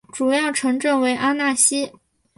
主要城镇为阿讷西。